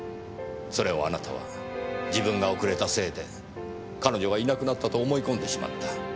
それをあなたは自分が遅れたせいで彼女がいなくなったと思い込んでしまった。